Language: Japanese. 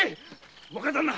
若旦那。